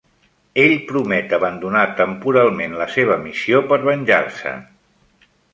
Ell promet abandonar temporalment la seva missió per venjar-se.